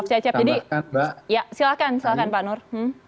ya silakan silakan pak nur